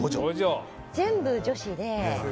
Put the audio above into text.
全部女子で。